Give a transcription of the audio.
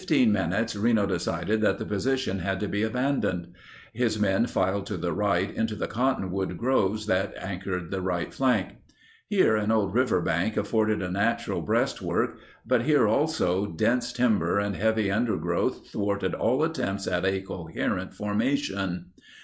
Within 15 minutes, Reno decided that the position had to be abandoned. His men filed to the right into the cottonwood groves that anchored the right flank. Here an old river bank afforded a natural breast work, but here, also, dense timber and heavy under growth thwarted all attempts at a coherent formation.